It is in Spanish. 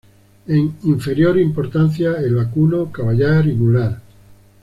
En inferior importancia el vacuno, caballar y mular.